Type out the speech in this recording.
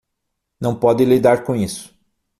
Não pode lidar com isso